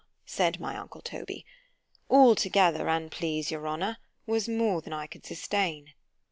said my uncle Toby)——all together, an' please your honour, was more than I could sustain.